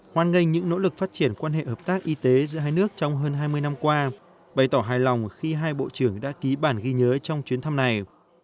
hoàn ngành những nỗ lực phát triển quan hệ hợp tác y tế giữa hai nước trong hơn hai mươi năm qua bày tỏ hài lòng khi hai bộ trưởng đã ký bản ghi nhớ trong chuyến thăm này